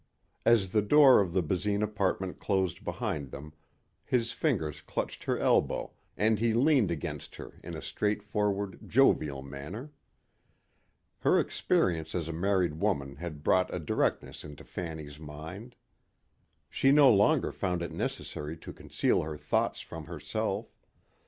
As the door of the Basine apartment closed behind them, his fingers clutched her elbow and he leaned against her in a straightforward, jovial manner. Her experience as a married woman had brought a directness into Fanny's mind. She no longer found it necessary to conceal her thoughts from herself.